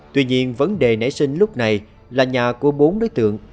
tuy nhiên vấn đề nảy sinh lúc này là nhà của bốn đối tượng